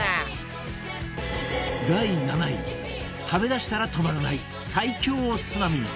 第７位食べだしたら止まらない最強おつまみ